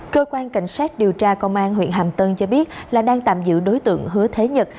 cơ quan cảnh sát điều tra công an huyện hàm tân cho biết là đang tạm giữ đối tượng hứa thế nhật